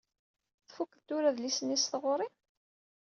Tfukkeḍ tura adlis-nni s tɣuri?